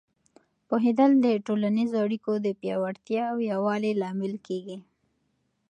پوهېدل د ټولنیزو اړیکو د پیاوړتیا او یووالي لامل کېږي.